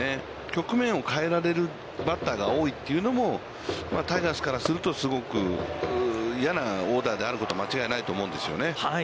局面を変えられるバッターが多いというのも、タイガースからすると、すごく嫌なオーダーであることは間違いないと思うんですよね。